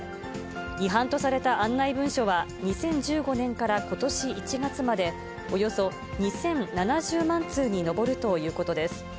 違反とされた案内文書は２０１５年からことし１月まで、およそ２０７０万通に上るということです。